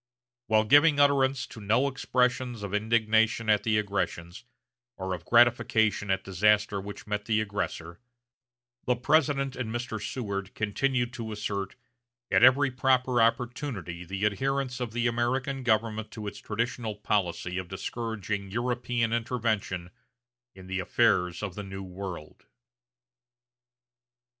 While giving utterance to no expressions of indignation at the aggressions, or of gratification at disaster which met the aggressor, the President and Mr. Seward continued to assert, at every proper opportunity the adherence of the American government to its traditional policy of discouraging European intervention in the affairs of the New World.